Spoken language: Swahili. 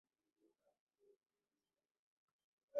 Mamia waliuawa katika mapigano.